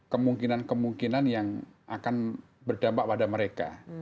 kemungkinan kemungkinan yang akan berdampak pada mereka